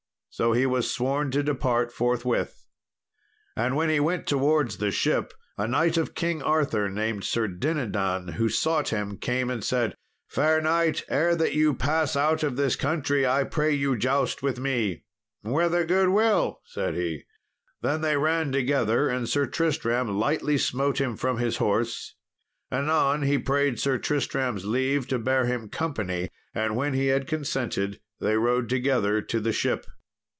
So he was sworn to depart forthwith. And as he went towards the ship a knight of King Arthur, named Sir Dinadan, who sought him, came and said, "Fair knight, ere that you pass out of this country, I pray you joust with me!" "With a good will," said he. Then they ran together, and Sir Tristram lightly smote him from his horse. Anon he prayed Sir Tristram's leave to bear him company, and when he had consented they rode together to the ship.